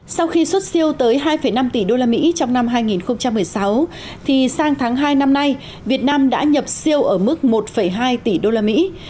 sau khi xuất siêu tới hai năm tỷ đô la mỹ trong năm hai nghìn một mươi sáu thì sang tháng hai năm nay việt nam đã nhập siêu ở mức một hai tỷ đô la mỹ